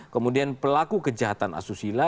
kemudian pelaku kejahatan asusila